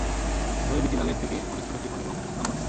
তবে বিচি চালের থেকে অনেক ছোট চিকন এবং লম্বাটে।